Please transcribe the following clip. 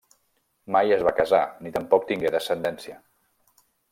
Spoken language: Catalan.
Mai es va casar ni tampoc tingué descendència.